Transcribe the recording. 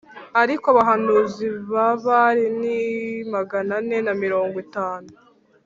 ariko abahanuzi ba Bāli ni magana ane na mirongo itanu